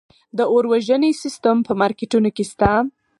د اور وژنې سیستم په مارکیټونو کې شته؟